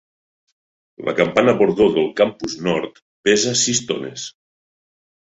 La campana bordó del Campus Nord pesa sis tones.